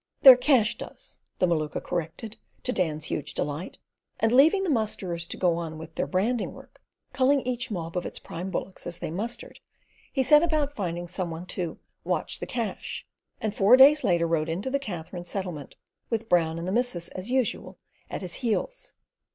"Their cash does," the Maluka corrected, to Dan's huge delight; and, leaving the musterers to go on with their branding work, culling each mob of its prime bullocks as they mustered, he set about finding some one to "watch the cash," and four days later rode into the Katherine Settlement, with Brown and the missus, as usual, at his heels.